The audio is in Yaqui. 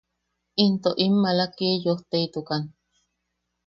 Into in maala Kiyosteitukan.